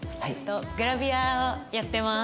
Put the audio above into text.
グラビアをやってます。